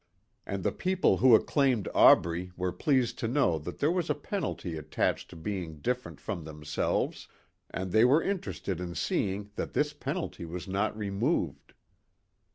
And the people who acclaimed Aubrey were pleased to know that there was a penalty attached to being different from themselves and they were interested in seeing that this penalty was not removed.